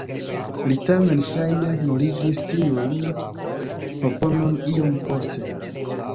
Li tamen ŝajne nuligis tiun proponon iom poste.